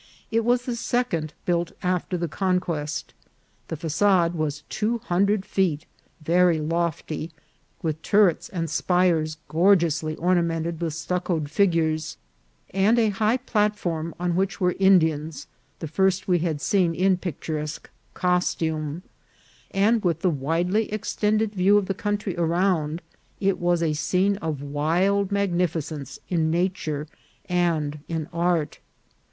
It was the second built after the conquest. The facade was two hundred feet, very lofty, with turrets and spires gorgeously or namented with stuccoed figures, and a high platform, on which were Indians, the first we had seen in picturesque costume ; and with the widely extended view of the country around, it was a scene of wild magnificence in nature and in art.